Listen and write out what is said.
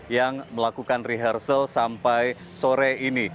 yang melakukan rehearsal sampai sore ini